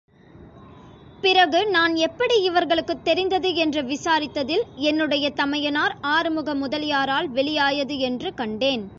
பிறகு நான் எப்படி இவர்களுக்குத் தெரிந்தது என்று விசாரித்ததில், என்னுடைய தமையனார் ஆறுமுக முதலியாரால் வெளியாயது என்று கண்டேன்.